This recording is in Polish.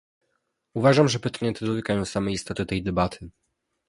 Uważam, że pytania te dotykają samej istoty tej debaty